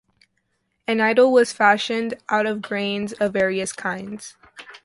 An idol was fashioned out of grains of various kinds.